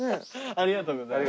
ありがとうございます。